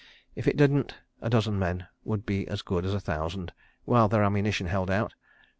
If it didn't—a dozen men would be as good as a thousand—while their ammunition held out.